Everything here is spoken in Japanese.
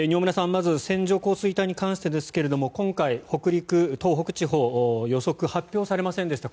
まず線状降水帯に関してですが今回、北陸、東北地方予測、発表されませんでした。